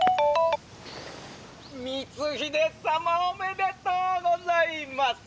「光秀様おめでとうございます。